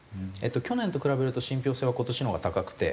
去年と比べると信憑性は今年のほうが高くて。